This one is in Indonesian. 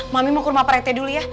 mami mau ke rumah pak rete dulu ya